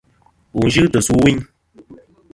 Wù n-yɨ tɨ̀ sù ɨwu.